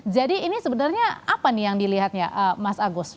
jadi ini sebenarnya apa nih yang dilihatnya mas agus